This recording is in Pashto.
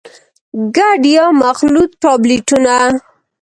ګډ يا مخلوط ټابليټونه: